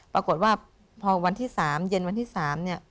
ปรากฏว่าพอวันที่๓เย็นวันที่๓เนี่ย